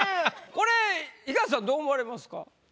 これ東さんどう思われますか？